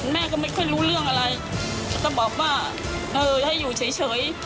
แม่ก็ไม่ค่อยรู้เรื่องอะไรก็บอกว่าเออให้อยู่เฉย